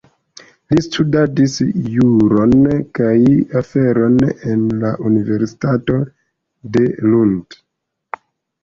Li studadis juron kaj aferon en la universitato de Lund.